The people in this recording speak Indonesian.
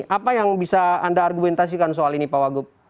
apa yang bisa anda argumentasikan soal ini pak wagub